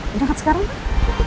berangkat sekarang pak